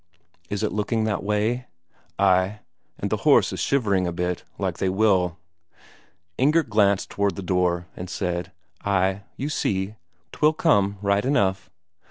"Is it looking that way?" "Ay. And the horse is shivering a bit, like they will." Inger glanced towards the door and said, "Ay, you see, 'twill come right enough."